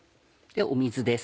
水です